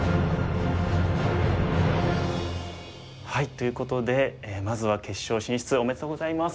ということでまずは決勝進出おめでとうございます。